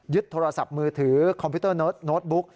โทรศัพท์มือถือคอมพิวเตอร์โน้ตบุ๊ก